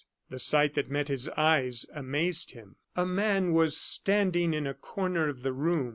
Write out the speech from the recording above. The sight that met his eyes amazed him. A man was standing in a corner of the room.